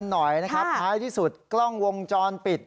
หน่อยนะครับท้ายที่สุดกล้องวงจรปิด